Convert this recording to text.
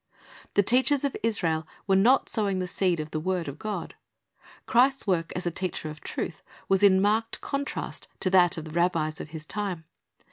The teachers of Israel were not sowing the seed of the word of God. Christ's work as a teacher of truth was in marked contrast to that of the rabbis of His time.